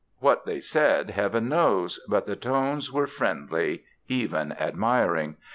What they said Heaven knows, but the tones were friendly, even admiring.